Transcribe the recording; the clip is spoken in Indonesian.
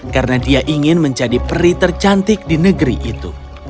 karena dia ingin menjadi peri tercantik di negeri itu